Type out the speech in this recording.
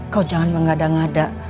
kau jangan menggada ngada